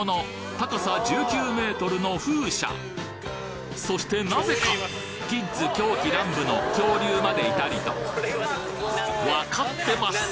高さ１９ｍの風車そしてなぜかキッズ狂喜乱舞の恐竜までいたりとわかってます！